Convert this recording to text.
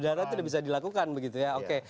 ada dana itu sudah bisa dilakukan begitu ya oke